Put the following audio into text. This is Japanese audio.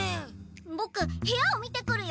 ボク部屋を見てくるよ。